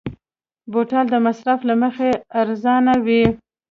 بوتل د مصرف له مخې ارزانه وي.